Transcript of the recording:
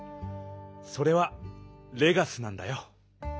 それはレガスなんだよ。